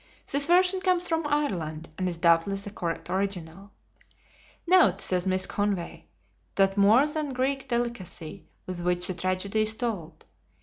This version comes from Ireland, and is doubtless the correct original. "Note," says Miss Conway, "the more than Greek delicacy with which the tragedy is told.